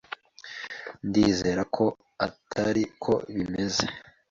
Ndizera ko atari ko bimeze.